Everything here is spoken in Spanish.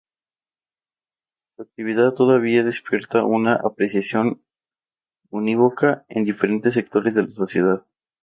Su actividad todavía despierta una apreciación unívoca en diferentes sectores de la sociedad.